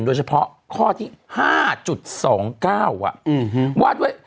โดยเฉพาะข้อที่๕๒๙ว่าด้วย